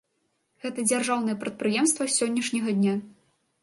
Гэта дзяржаўнае прадпрыемства з сённяшняга дня.